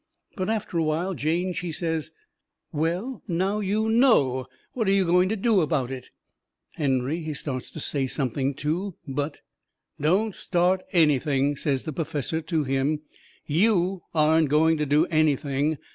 But after a while Jane, she says: "Well, now you KNOW! What are you going to do about it?" Henry, he starts to say something too. But "Don't start anything," says the perfessor to him. "YOU aren't going to do anything."